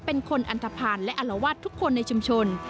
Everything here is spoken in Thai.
เป็นคนอันทภาณและอารวาสทุกคนในชุมชน